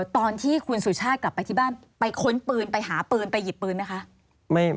ตอนที่คุณสุชาติกลับไปที่บ้านไปค้นปืนไปหาปืนไปหยิบปืนไหมคะ